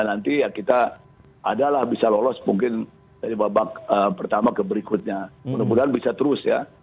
nanti ya kita adalah bisa lolos mungkin dari babak pertama ke berikutnya mudah mudahan bisa terus ya